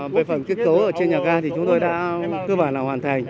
bài phẩm thiết cấu ở trên nhà ga thì chúng tôi đã cơ bản là hoàn thành